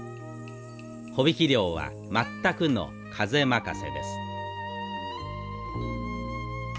帆引き漁は全くの風任せです。